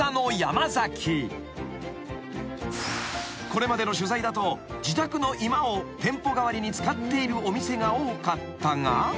［これまでの取材だと自宅の居間を店舗代わりに使っているお店が多かったが］